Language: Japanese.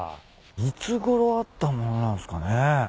いつごろあった物なんすかね？